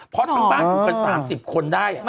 เพราะทั้งบ้านอยู่กัน๓๐คนได้